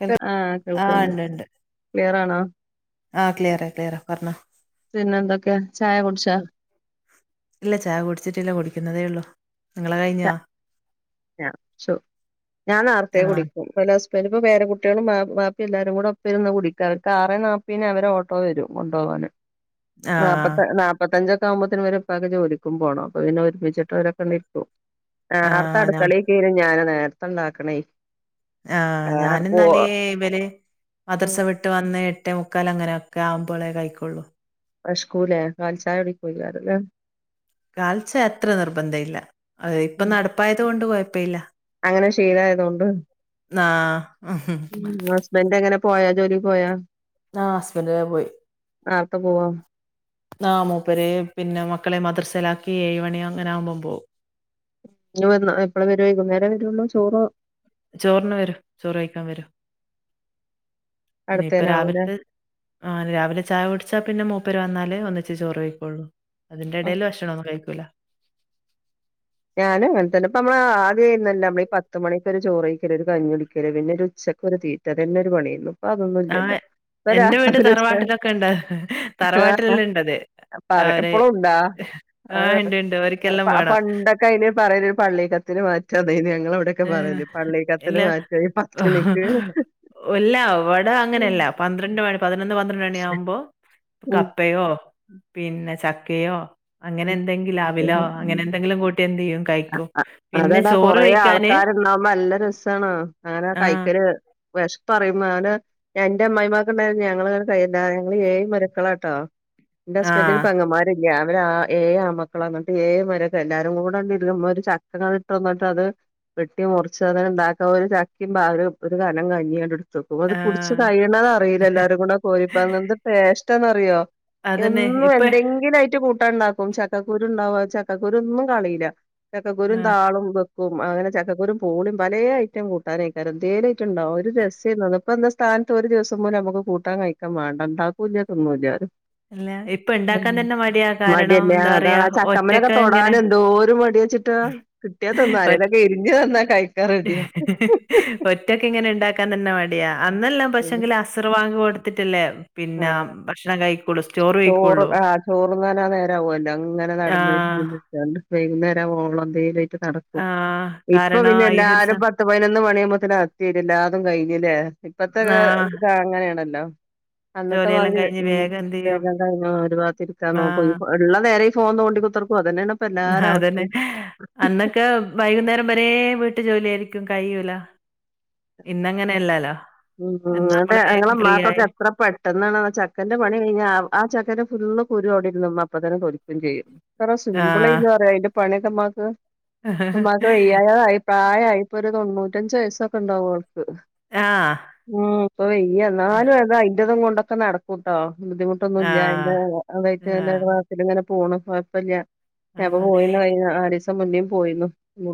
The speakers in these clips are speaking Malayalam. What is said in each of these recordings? കേൾക്ക ആഹ ആഹ് കേൾക്കണ്ട്. ക്ലിയർാണോ? ആഹ്ക്ലിയറ ക്ലിയറ പറഞ്ഞോ. പിന്നെ എന്തൊക്കെ ചായ കുടിച്ചാ ഇല്ല ചായ കുടിച്ചിട്ടില്ല കുടിക്കണം കുടിക്കുന്നതേ ഉള്ളൂ നിങ്ങളെ കഴിഞ്ഞോ ഞാൻ നേർത്തെ ആഹ് കുടിക്കും വരുമ്പോ പേര കുട്ടികളും ബാക്കി എല്ലാരും കൂടെ ഒപ്പം ഇരുന്ന് കുടിക്കാ. ആറെ നാപത്തിന് ഓട്ടോ വരും അവരെ കൊണ്ടുപോകാൻ. ആഹ് നാപ്പത്ത നാപ്പത്തഞ്ചൊക്കെ ആവുമ്പോത്തേന് ഇവരെ ഉപ്പാക് ജോലിക്കും പോകണം. അപ്പൊ പിന്നെ ഒരുമിച്ചിട്ടവരൊക്കെ നേർത്തെ ആഹ് ഞാ അടുക്കളേ കേറി ഞാനൻ നേരത്തെ ഉണ്ടാക്കണേ ആ് ഞാൻന്നാലെ ഇവരെ ഉം മദര്സാ വിട്ട് വന്ന് എട്ടേ മുക്കാൽ അങ്ങനെയൊക്കെ ആവ്പോളേ കഴിക്കക്കൊുള്ളൂ വെശകുലേ കാൽച്ചായ കുടിക്കല്ലേ കാൽച്ച അത്ര നിർബന്ധ ഇല്ല അ ഇപ്പൊ ഉം നടപ്പായത് കൊണ്ട് കുഴപ്പ ഇല്ല അങ്ങനെ ശീലായത് കൊണ്ട്, ആഹ് ഹസ്ബൻഡങ്ങനെ പോയാ ജോലി പോയാ ആ ഹുസ്ബൻഡ് വേഗം പോയി നേർത്തെ പോവോ നാമൂപ്പര് പിന്നെ മക്കളെ മദർസലാക്കി ഏഴ് മണി അങ്ങനൊവകുമ്പോം പോവും ഇ? എപ്പഴ വര? വൈകുന്നേരം വരുള്ളോ? ചോറോ? ചോറിന് വരും ചോറുകഴിക്കാൻ വരും ഇനി ഇപ്പോ അടുത്തേനാവൂലേ രാവിലത്തെ ആ രാവിലെ ചായ കുടിച്ചാ പിന്നെ അര് വന്നല്ല് ഒന്നിച്ച് ചോറ് കഴിക്കുവള്ളൂ അതിന്റെ ആഹ് ഇടയിൽ ഭക്ഷണം ഒന്നും കഴിക്കില്ല ഞാൻ അങ്ങനെ തന്നെ അപ്പൊ നമ്മള് ആദ്യ ചെയുന്ന [inaudible] പത്ത് മണിക്കൊരു ചോറ് കഴിക്കല് ഒരു കഞ്ഞൊടിക്കല് പിന്നെ ഒരു ഉച്ചക്ക് ഒരു തീറ്റ തന്നെ ഒരു പണിയന്ന അപ്പൊ അതൊന്നും ആ ഇല്ലാട്ടാ [inaudible] ഇരാ എന്റെ വീട് തറവാട്ടിലൊക്കെണ്ട്. തറവാട്ടിലെല്ലാം ഇണ്ടത്. പറാ അവര് എപ്പോഴും ഉണ്ടാ ആ ഇണ്ട്, ഇണ്ട്. ഓര്ക്കെല്ലാം ആ വേണം. പണ്ടൊക്കെ അയിന് പറയുന്ന ഒരു പള്ളി കത്തിന് മാറ്റം അത [inaudible] നിങ്ങളുടെ അവിടെയൊക്കെ ഏഹ് പറയല് പള്ളികത്താണ് വായിച്ചത് പതനിക് ഉല്ല ഇവിടെ അങ്ങനെയല്ല പന്ത്രണ്ട് മണി പതിനൊന്ന് പന്ത്രണ്ട് മണി ആവുമ്പോ ഉം. കപ്പയോ പിന്നെ ചക്കയോ അങ്ങനെന്തെങ്കിലും അവിലോ ഉം. അങ്ങനെന്തെങ്കിലും കൂട്ടിയ എന്ത് ചെയ്യും കഴിക്കും പിന്നെ ചോറ് കഴ ആൾക്കാർ ഉണ്ടാവുമ്പോ നല്ല രസമാണ് അങ്ങനെ ആ, കൈക്കല് ആൾ വിശപ്പ് അറിയുമ്പോ അവന് എന്റെ അമ്മായിമാർക്ക ഉണ്ടായ ഞങ്ങള് കഴയി ഞങ്ങള് ഏയ് മരക്കളാട്ടോ എന്റെ ആ, ഹുസ്ബന്റിന് പങ്ങന്മാരില്ല പെങ്ങള്മാറില്ല അവര് ഏഴുആൺമക്കൾ അങ്ങോട്ട് ഏമരൊക്കെ എല്ലാരും കൂടെണ്ട ഒരു ചക്കങ്ങൾ ഇട്ട്ന്നിട്ട് അത് [inaudible] വെട്ടി മുറിച്ചതെ ഇണ്ടാക്ക ഒരു ചക്കുമ്പ ആ ഒരു കനം കഞ്ഞി തക്ക അത് കുടിച്ചച്ച് ആ. കഴിയുന്നത്തെ അറിയില്ല എല്ലാരും കൂടെ കോരിപ്പ എന്ത് ടേസ്റ്റേണെന്നെയേറിയുവോ അതന്നെ. എന്നും ഇപ്പ എന്തെങ്കിലും ആയിട്ട് കൂട്ട ചക്ക ഉണ്ടാക്കും ചക്കക്കുരു ഉണ്ടാവ ചക്കക്കുരു ഒന്നും കളിയില്ല ചക്കക്കുരും ആഹ്. താളും വെക്കും പോവും അങ്ങനെ ചക്കക്കുരു ബാല്ലും പല്ല ഐറ്റം കൂട്ടാനായിക്കും എന്തേങ്കല ഐറ്റം ഉണ്ടും ഒരു രസ എന്താ അങ്ങനത്തെ ഒരു ദിവസം പോലും നമുക്ക് കൂട്ടാൻ കഴിക്കൻ വേണ്ടാ ണ്ടാക്കുല്യ തിന്നൂല്ല്യ അല്ല ഇപ്പ ഇണ്ടാക്കാൻ തന്നെ മടിയാ. കാരണം മടിയന്നെ എന്താ അതാ പറയാ ചക്കമേലൊക്കെ ഒറ്റക്ക് ഇങ്ങനെ തൊടാനെന്തോരു മടിയ ച്ചിട്ടാ കിട്ട്യാ തിന്നാ ആരെലൊക്കെ ഇരിഞ് തന്നാ കയ്ക്കും ഹ ഹ ഹ ഒറ്റക്ക് ഇങ്ങനെ ഇണ്ടാക്കാൻ തന്നെ [unintelligible] ആ അന്നെല്ലാം ശരി. പക്ഷെങ്കിലാശിർവാതം കൊടുത്തിട്ടല്ലേ പിന്നെ ആ ഭക്ഷണം കഴിക്കുള്ളൂ. ചോറ് കഴിക്കുള്ളൂ. ആ ചോറ്ന്നാനാ നേരാവല്ലോ ങ്ങനെ ആഹ് നടന്ന് വൈകുന്നേരം ഓളം എന്തേലും ആട്ട് നടക്കും ആഹ്. ഇപ്പൊ കാരണം പിന്നെ ഈ ഒരു സ എല്ലാരും പത്ത് പതിനൊന്ന് മണിയുമ്പത്തന അത്തിവും എല്ലാതും കഴിഞ്ഞല്ലേ ഇപ്പത്തെ ഒക്കെ ആഹ് ഇതാ അങ്ങനെയാണല്ലോ അന്നത്തെ ജോലിയെല്ലാം വാതി കഴിഞ്ഞ് വേഗം എന്ത് ചെയ്യും വേഗം കഴിഞ്ഞ ഒരുപാഗത്തിരിക്കാൻ ആഹ്. നോക്കും ഉള്ള നേരെ ഫോൺത്തൊണ്ടികുത്രക് അതാതന്നെ അന്നൊക്കെ വൈകുന്നേരം വരേ വീട്ടു ജോലിയിരിക്കും കഴിയുല്ല ഇന്നങ്ങനെ അല്ലാലോ ഉ അതെ ഞങ്ങളെ ഉമ്മാക്കൊക്കെ എത്ര പെട്ടെന്ന ചക്കന്റെ പണി കഴിഞ്ഞ ആ ചക്കന്റെ ഫുള് കുറുവിടെരുന്ന് ഉമ്മ അപ്പോ തന്നെ തൊലിച്ചും ചെയ്യും എത്ര ആഹ്. സിമ്പിൾളന്ന് പറയാ അതിന്റെ പണിയൊക്കെമാക്ക് ഇപ്പോമ്മക് വയ്യാതെയായി പ്രായമായി ഇപ്പൊ ഒരു തൊണ്ണൂറ്റഞ്ച് വയസ്സൊക്കെ ഉണ്ടാവൂ ആ. ഉം ഇപ്പോ വേയ്യ ആ. എന്നാലും അത് അയിന്റെതും കൊണ്ടൊക്കെ നടക്കുംട്ടോ ആ. ബുദ്ധിമുട്ടൊന്നുല്ല അതിന്റെ ആ. അതയിന്റെ ക്ലാസ്സിൽ ഇങ്ങനെ പോണു കേഴപ്പല്ല ഞാപ്പൊ പോയിന്ന് [unintelligible] നാലിസം മുന്നെ പോയിന്നു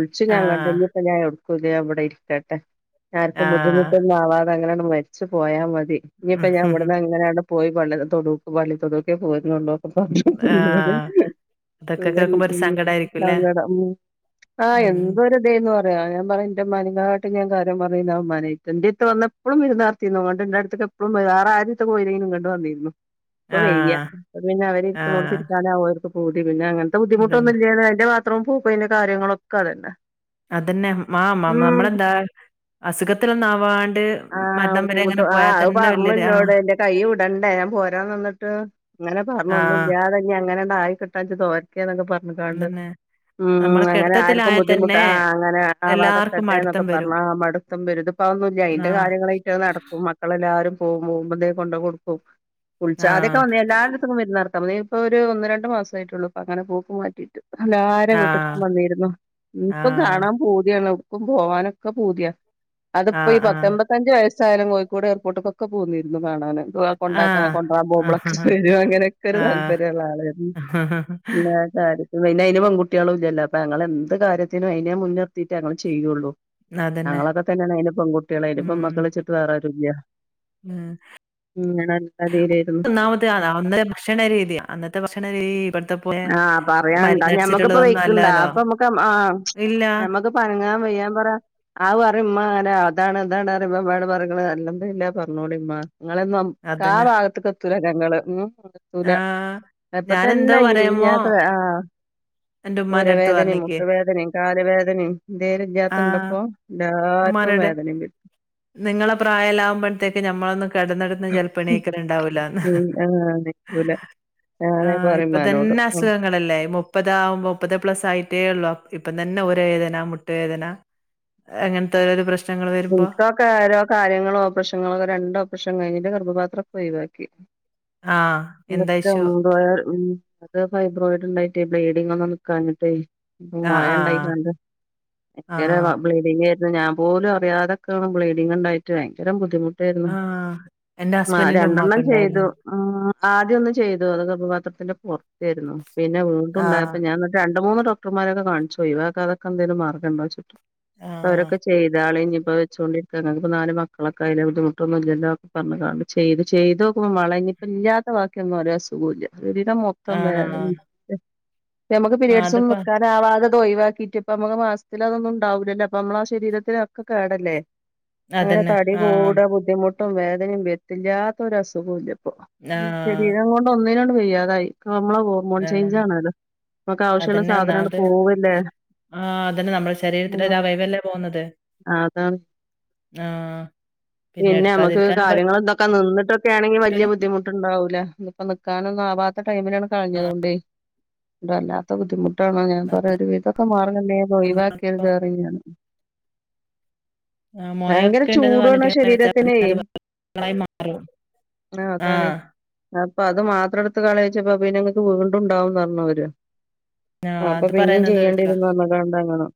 വിൾച്ചും ആ. ഞാൻ ഇങ്ങട്ട് ഇഞ് ഇപ്പം [inaudible] പുതിയ വിടെഇരിക്കട്ടെ ആ. ആർക്കും ബുദ്ധിമു അത് അങ്ങനെങ്ങോട്ട് മരിച്ചു പോയാ മതി ഇനിയിപ്പോ ഞാൻ ഉം. ഇടന്ന് എങ്ങനെ പോയി പള്ളി പള്ളിത്തൊടുക്കെ പോരുന്നുള്ളൂ ആ. അതൊക്കെ കേൾക്കുമ്പോ ഒരു [unintelligible] സങ്കടായിരിക്കുംല്ലേ? സങ്കടം ആഹ ഉം. എന്തൊരു ഇതേന്നു അറിയോ ഞാൻ പറ എന്റെ മനങ്ങാട്ട് ഞാൻ കാര്യം പറയുന്ന ആ ഉമ്മ എന്റട്ത്ത് വന്ന എപ്പഴും വിര്ന്നാർത്തീന്നു. ങ്ങട്ട് ഇന്റട്ത്ത്ക്കെപ്പളും, വേറാരെട്ത് പോയില്ലെങ്കിലും ഇങ്ങട്ട് വന്നീനു. അപ്പൊ ആ. വെയ്യ അത് പിന്നെ അവർ ആ. ഇരിക്കുന്നോട്തിരികുതെ അവർക്ക് പൂ പിന്നെ അങ്ങൻത്ത അതന്നെ. ബുദ്ധിമുട്ടൊന്നുല്ല അതിന്റെ ബാത്റൂമ്ക്ക് പോക്കും അയ്ന്റെ കാര്യങ്ങളൊക്കെ അതന്നെ അതന്നെ മാ ഉം മമമ്മളെന്താ അസുഖത്തിലൊന്നുആവാട് ആ ബുദ്ധിമുട്ട് ആ അത് പറഞ്ഞുന്നോട് എന്റെ കൈ വിടണ്ടേ ഞാൻ പോരാന്നിട്ട് അങ്ങനെ ആ. പറഞ്ഞു ഞാത അങ്ങനെണ്ട ആയി കിട്ടാ തോരക്കേന്നൊക്കെ പറഞ്ഞക്കണ്ട് അതന്നെ. ഉം നമ്മള് അങ്ങനെ ആർക്കും കെടത്തത്തിലായാ തന്നെ ബുദ്ധിമുട്ട് ആ് അങ്ങനെ ആ എല്ലാർക്കും വാതക്കട്ടെ മടുത്തം എന്നൊക്കെ വരും. പറഞ്ഞ മടുത്തം വരുതും ഇപ്പൊന്നുമില്ല ആ. അതിന്റെ കാര്യങ്ങളായിട്ട് നടക്കും മക്കളെല്ലാരും പോകും പോകുമ്പതേ കൊണ്ട് കൊടുക്കും ആ. ഉത്ച്ച അതൊക്കെ വന്നാ എല്ലായിടത്തും വരുന്ന നടക്കാം ഇപ്പൊ ഒരു ഒന്ന് രണ്ട് മാസ ആട്ടുള്ളൂ അപ്പ അങ്ങനെ പോക്ക് മാറ്റിയിട്ട് എല്ലാര ആ. വീട്ടിടുക്കും വന്നിരുന്നു ആ. ഇപ്പം കാണാൻ പൂതിയാണ് പോവാനൊക്കെ പൂതിയ ആ. അതിപ്പോ ഈ ആ. പത്തൊമ്പത്തഞ്ച വയസ് ചായലം കോഴിക്കോട് എയപോട്ടക്ക പോന്നിരുന്നു കാണൻ ത ആ. കൊണ്ടാക്കാൻ കൊണ്ടാൻ ആ. ആ. പോകുമ്പോളൊക്കെ വരും അങ്ങനെയൊക്കെ ഒരു ആ താല്പര്യമ ഉള്ള ആളായിരുന്നു ഇ സാരി പിന്നെ അന് പെണ് കുട്ടികളും ഇല്ലോ അപ്പൊ ഞൾ എന്ത് കാര്യത്തിനും അതിനെ മുൻനിർത്തിയിട്ട് ഞങ്ങള് ചെയ്യുകയുള്ളു അതന്നെ. ഞങ്ങളൊക്കെ തന്നെയാണ് അതിനി പെകുട്ടികളെ അതിനിപ്പ മക്കളെച്ചിട്ട് വേറെരു ഇ- ഉം തീരായിരുന്നു ഒന്നാമത്തെതാ അന്നത്തെ ഭക്ഷണ രീതി അന്നത്തെ ഭക്ഷണ രീതി ഇപ്പഴ്ത്തെ പോലെ- ആ പറയാണ്ടാ ഞമ്മക്കിപ്പ മരുന്നടിച്ചിട്ടുള്ളതൊന്നും വെയ്ക്ക്ണ്ടാ അല്ലാലോ. അപ്പ അമ്മക്ക് ആ ഇല്ല. ഞമ്മക്ക്പ്പനങ്ങാൻ വയ്യാൻ പറയാ ആ പറ ഉമ്മ ല്ല അതാണ്താണ്റമ്പേമ്മോട് പറക്ക്ണ് അല്ലംദുല്ല പറഞ്ഞോളിമ്മ ങ്ങളെന്നും അതന്നെ. കാഭാഗത്ത്- [unintelligible] ആഹ്. എപ്പൊ ഞാനെന്തോ തന്നെ പറയുമ്പോ ആ എന്റെ ഉമ്മാന്റെ അടുത്ത് പൂരവേദനെം, പറഞ്ഞിക്ക്. മുട്ടുവേദനെം, കാല് വേദനെം എന്തേല് ആഹ്. ല്യാത്തണ്ടിപ്പോ ആഹ്പ്പ- ഉമ്മാനോട് നിങ്ങളെ പ്രായെല്ലാമ്പോഴത്തേക്ക് ഞമ്മളൊന്ന്- കടന്നടന്ന ചെലപ്പണീക്കല്ണ്ടാവൂലാന്ന് ഉം ആഹ് നിക്കൂല ആ് ഞാന് പറയും ഇപ്പ ഇമ്മാനോട് തന്നെ അസുഖങ്ങളല്ലേ മുപ്പതാ മുപ്പതേ പ്ലസ് ആയിട്ടേ ഉള്ളു പ്പം തന്നെ ഊരവേദന മുട്ടുവേദന അങ്ങനത്തെ പ്രശ്ന- നിക്കൊക്കോരോ കാര്യങ്ങളോപ്പറേഷങ്ങളോക്കെ രണ്ട് ഓപ്പറേഷൻ കഴിഞ്ഞിട്ട് ന്റെഗർഭപാത്രക്കെ ഒയിവാക്കി ആഹ്. എന്തായിശു [unintelligible] അത് ഫൈബ്രോയിഡ്ണ്ടായിട്ടേ ബ്ലീഡിങ് ഒന്നും നിക്കാഞ്ഞിട്ടേ ആഹ് ആഹ്. മഴണ്ടായ്ട്ടാണ്ട് ആഹ് എ ബ്ലീഡിങ്ങാരുന്നു ഞാൻ പോലോ- [unintelligible] ബ്ലീഡിങ്‌ ഒണ്ടായിട്ട് ഭയങ്കര ബുദ്ധിമുട്ട് [unintelligible] ആഹ്. എന്റെ ആ ഹസ്ബൻഡിന്റെ രണ്ടെണ്ണം ചെയ്തു ഉമ്മാക്കുണ്ടായിരുന്നു. ആ ആദ്യൊന്ന് ചെയ്തു അത് ഗർ ഭപാത്രത്തിന്റെ പൊറത്തേരുന്നു പിന്നെ ആഹ്. വീണ്ടുണ്ടായപ്പ ഞാ [unintelligible] ണ്ട് മൂന്ന് ഡോക്ടർമാരൊക്കെ കാണിച്ചൊയ് വാക്കാതെക്കന്തേലും മാർഗം ഉണ്ടോെച്ട്ട് ആഹ്. പ്പവരൊക്ക ചെയ്താ [unintelligible] വെച്ചൊണ്ടിക്ക നെക്ക് നാല് മക്കളൊക്കായില്ലേ ബുദ്ധിമുട്ടൊന്നുല്ല്യല്ലോക്കെ പറഞ്താണ് ചെയ്ത് ചെയ്തോക്ക് മക്കളെ ഇനിയിപ്പല്ല്യാത്ത വാക്കിയൊന്നറിയാസുഖോല്ല [unintelligible] മൊത്തം വേ ആഹ്. [unintelligible] നമ്മക്ക് ആഹ് പിരയഡ്സൊന്നും അതിപ്പ നിക്കാതെ [unintelligible] ദൊയ് വാക്കിട്ട് ഇപ്പ അമ്മക്ക് മാസത്തിൽ അതൊന്നും ണ്ടാവൂലല്ലോ അപ്പൊ നമ്മള ആ ശരീരത്തിനക്കെ കേടല്ലേ അങ്ങനെ അതന്നെ. തടി ആഹ്. കൂടാ ബുദ്ധിമുട്ട് ഒട്ടും വേദനെം വര്ത്തില്ലാത്തൊരസുഖോല്ല്യപ്പോ ആഹ്. ശരീരം കൊണ്ട് ഒന്നിനോണ്ടവയ്യാതായി നമ്മള ഹോർമോൺ ആഹ്. ചേഞ്ച് ആണല്ലോ നമുക്ക് ആവശ്യള്ള സാധനങ്ങട് പോവല്ലേ ആ അതന്നെ നമ്മളെ ശരീരത്തില ഒരവയവല്ലേ പോന്നത് അതാന്ന് പിന്നെ അമ്മക്ക് കാര്യങ്ങ [unintelligible] നിന്നിട്ടൊക്കെ ആണെങ്കി പറ്റൂല. വല്യ ബുദ്ധിമുട്ടൊണ്ടാവൂല്ല ഇപ്പൊ നിക്കാനൊന്നും ആ [unintelligible] ടൈമിനാണ് കളിഞ്ഞത്കൊണ്ടോയി [unintelligible] അല്ലാത്ത ബുദ്ധിമുട്ട് ട്ടാണോ ഞാൻ പറയാ ഒരു വിതൊക്കെ മാർഗണ്ടേ ഇതൊയ് നമ്മളിപ്പോ വാക്കര്ത് റയ്യാണ് ആ മോയൊക്കെണ്ട്ന്ന് ചൂടാണ് ശരീരത്തിനേ പറഞ്ഞിട്ട് [unintelligible] ആ അതാണെ ആഹ്. പ്പൊ അത് മാത്രം എടുത്ത് കളയ്ച്ചപ്പ പിന്നങ്ങക്ക് വീണ്ട്ണ്ടാവെന്ന് പറഞ്ഞവര് ആ ആഹ് അപ്പൊ അത് പിന്നീം പറയുന്നത് കേൾക്കാം. ചെയ്യേണ്ടിരുന്നറഞ് കാണ്ടാങ്ങണം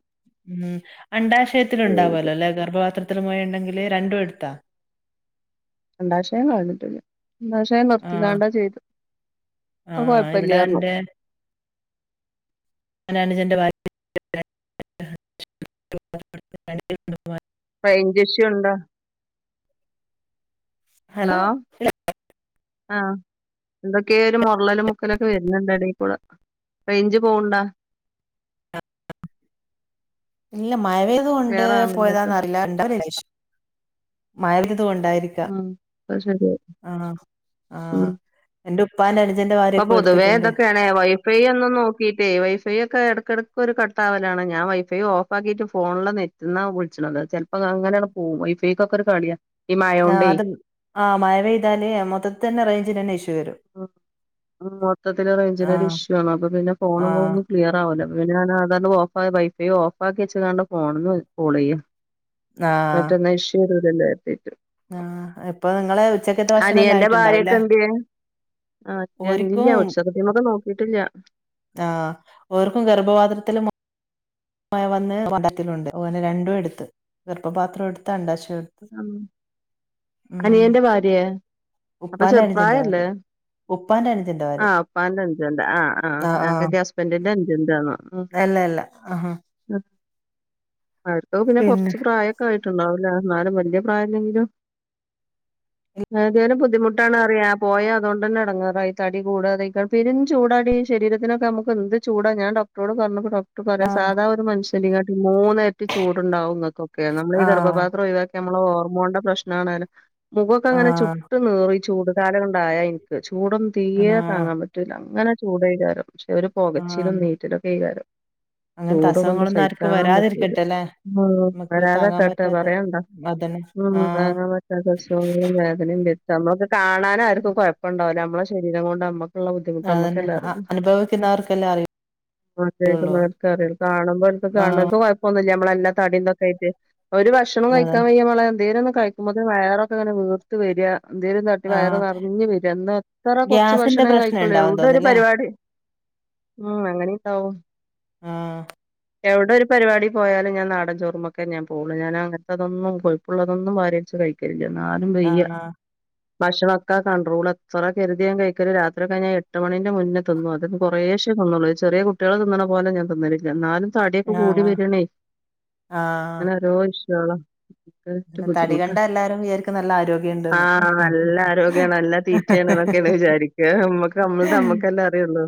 പിത്താശയത്തിലൊണ്ടാവല്ലോ ല്ലെ ഗർഭപാത്രത്തില് മൊയേണ്ടെങ്കില് രണ്ടും എടുത്താ അണ്ടാശേം കളഞ്ഞ്ട്ടില്ല അണ്ടാശയം നിർത്തിക്കാണ്ടാ ചെയ്തു ആ ഇപ്പൊ കൊഴപ്പല്ല്യാർഞ്ഞു ഇവിടെന്റെ ന്റെ ന്ജന്റെ ഭാ [unintelligible] റയ്ഞ്ച് ഇഷ്യൂണ്ടോ. ഹലോ [unintelligible] ആ എന്തൊക്കേ ഒരു മോർളലും മുക്കലൊക്കെ വരുന്നുണ്ടെടേകൂടെ റേഞ്ച് പോവ്ണ്ടാ ഇല്ല മയവെയ്തുണ്ട് ക്ലിയറാണ് ഇങ്ങക്ക് പോയതാന്നറില്ല [unintelligible] തുവൊണ്ടാരിക്ക ഉം അത് ശെരിയാ ആ ആ പ്പ പൊതുവേ തൊക്കെയാണേ വൈഫൈ ഒന്നും നോക്കിട്ടേ വൈഫൈ ഒക്കെ ഇടക്കിട ഒരു കട്ടാവലാണ് ഞാൻ വൈഫൈയും ഓഫാക്കീട്ട് ഫോണില് നെറ്റുന്നാ വിളിച്ചുണത് ചെലപ്പോ അങ്ങനാണ് പോ [unintelligible] ആ അത് ആ മഴ പെയ്താലേ മൊത്തത്ത് തന്നെ റേഞ്ചിനന്നെ ഇഷ്യൂ വരും ഉ് [unintelligible] മൊത്തത്തില് റേഞ്ചിൻ ഒരു ആഹ് ഇഷ്യൂ ആണ് അപ്പൊ പിന്നെ ഫോണന്ന് ആഹ് ഒന്ന് ക്ലിയറാ പിന്ന ഞാൻ അതണ്ട് ഓഫ വൈഫൈ ഓഫാക്കി വെച്ച കണ്ട ഫോണ ഒന്ന് കോൾ ചെയ്യ മറ്റൊ നൈഷൂരൂര്ല്ലത്തട്ടു ആ ഇപ്പൊ ങ്ങളെ ഉച്ചക്കത്തെ ഭക്ഷണല്ല അനിയന്റെ ആയിട്ടുണ്ടാവല്ലേ? ഭാര്യക്കെന്ത്യേ ആഹ് ഇല്ല ഉച്ചകത്തിമക്കെ നോക്കിട്ടില്ല ആഹ് ഓർക്കും ഗർഭപാത്രത്തിലും മ വന്ന് വണ്ടുണ്ട് [inaudible] നെ രണ്ടും എടുത്ത് ഗാർഫപാത്രം എടുത്ത് അണ്ഡഷ്യയും എടുത്ത്ണ്ടാ ഉം അനിയന്റെ ഭാര്യ അപ്പൊ ഉപ്പാന്റെ അനുജന്റെ ചെറുപ്രായല്ലേ ഭാര്യ ഉപ്പാന്റെ അനുജന്റെ ഭാര്യ ആഹ് പ്പാന്റെ അഞ്ചന്റെ ആ് ആ് ആഹ് ഞകെര്ത്തി ആഹ് ന്റെ ഹസ്ബന്റിന്റെ അഞ്ചനാന്ന അല്ല അല്ല ആഹ് ആർക്ക പിന്നെ കൊറച് പ്രായൊക്കെ ആയിട്ടുണ്ടാവുല്ലേ എന്നാലും വല്യ പ്രായംല്ലെങ്കിലും [inaudible] എടേലും ബുദ്ധിമുട്ടാണ് അറിയാ പോയാ അതുകൊണ്ട് എടങ്ങാറായി തടി കൂടാതെ പെരും ചൂടാടി ശരിക്കും ശരീത്തിനൊക്കെ നമ്മ്ക്ക് എന്ത് ചൂട ഞാൻ ഡോക്ട്ടറോടറഞ്ഞപ്പോ. ന്നട്ട് പറയാ ആഹ് സാധാ ഒരു മനുഷ്യനേ ങ്ങട്ട്ടിലും മൂന്നരട്ടി ചൂടുണ്ടാവുന്നക്കൊക്കെ നമ്മള ഈ ആഹ് ഗർഭപാ നമ്മ ഹോർമോന്റെ പ്രശ്നണ് മുഖം ങ്ങനെ ആഹ് ചുട്ട് നീറി ചൂട് കാലം കൊണ്ടായ എനിക്ക് ചൂടും തീരെ ആഹ് താങ്ങാൻ പറ്റൂല്ല അങ്ങനെ ചൂടെകാരം. പക്ഷെ അവര് പുകചിലും ആഹ് നീറ്റിലൊ കെകാരം അങ്ങനത്തെ ചൂട് കൊണ്ട് അസുഖങ്ങളൊന്നും ആർക്കും സഹിക്കാൻ പറ്റൂല വരാതിരിക്കട്ടെല്ലേ നമുക്ക് താങ്ങാൻ വരാതെക്കട്ടെ പറ്റാത്ത പറ ണ്ട അതന്നെ ഉ ആഹ് മറ്റ സ വേദന [unintelligible] നമ്മുക്ക് കാണാനൻ ആർക്കും കുഴപ്പണ്ടവുല നമ്മള ശരീരം കൊണ്ട് നമ്മുക്ക്. ഉള്ള ബുദ്ധിമുട്ട് അതന്നെ മ്മക്കല്ലേ അ- അറിയു. അനുഭവിക്കുന്നവർക്കല്ലേ അറിയുള്ളൂ അതക്കക്കറിയല്ല കാണുമ്പോ എക്ക ആഹ് കാണക്ക കൊഴപ്പൊന്നുമില്ല. തടക്കെ [unintelligible] ആട്ട് ഭക്ഷണം അതന്നെ കഴിക്കാൻന്ത കഴിക്കുമ്പോേ വയറക്കങ്ങനെ വീർത്തുവരുവ. എന്തേലും തട്ടി വയറ് ആഹ് നിറഞ്ഞഞ് വര എന്ന് എത്ര കുറച്ച ഗ്യാസിന്റെ ഭക്ഷണേ പ്രശ്നം കഴിക്കുള്ളൂ ഉണ്ടാവും എവിടെ ഒരു തോന്നുന്നില്ലേ പരിപാടി ഉം അങ്ങനെക്കാവും ആഹ് എവിടെ ഒരു പരിപാടി പോയാല ഞാൻ നാടൻ ചോറുമൊക്കെ ഞാൻ പോള്ളൂ ഞാന അങ്ങനെ. അതൊന്നും കൊഴപ്പുള്ളതൊന്നും വാരിവലിച്ചു കഴിക്കലില്ല എന്നാലും വെയ്യ ആഹ് ഭഷണക്കാ കണ്ട്രൂൾ എത്ര കരുതി ഞാൻ കഴിക്കല് രാത്രി കഴിഞ്ഞൽ എട്ട് മണി മുന്നേ തിന്നു അ കുറേശേൊന്നള്ളൂ ചെറിയ കുട്ടികൾ തിന്നണ പോലെ ഞാൻ തിന്നലില്ല ന്നാലും തടിയൊക്കെ കൂടി ആഹ് വരണേ ആഹ് അങ്ങനെ രോ ഇഷ്ടങ്ങള തടി ബുദ്ധിമുട്ട കണ്ടാ എല്ലാരും വിചാരിക്കും നല്ല ആഹ് നല്ല ആരോഗ്യണ് നല്ല തീറ്റയ. ന്നൊക്കെ ആരോഗ്യമുണ്ടെന്ന് വിചാരിക്കുക നമ്മക്ക് നമ്മള് നമ്മക്കല്ലേ അറിയുള്ളൂ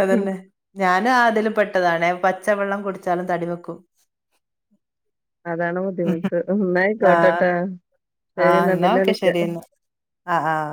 അതന്നെ ഞാനും ആതിലും പെട്ടതാാണേ പച്ചവെള്ളം കുടിച് ച്ചാലും തടി വെക്കും അതാണ് ബുദ്ധിമുട്ട് ആഹ് ഒന്നായിക്കോട്ടേട്ട ആഹ് എന്നാ ഓക്കെ ശരിന്ന് ആഹ ആഹ